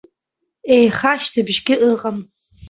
Еиха шьҭыбжьгьы ыҟам.